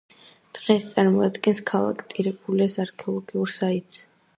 დღეს წარმოადგენს ქალაქ ტირებულუს არქეოლოგიურ საიტს.